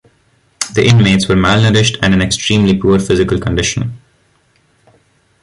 The inmates were malnourished and in extremely poor physical condition.